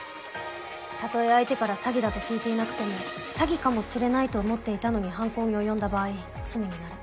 たとえ相手から詐欺だと聞いていなくても「詐欺かもしれない」と思っていたのに犯行に及んだ場合罪になる。